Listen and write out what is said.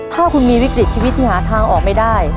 ถ้าคุณมีวิกฤตชีวิตที่หาทางออกไม่ได้